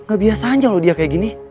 gak biasa aja loh dia kayak gini